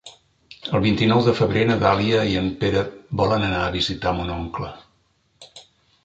El vint-i-nou de febrer na Dàlia i en Pere volen anar a visitar mon oncle.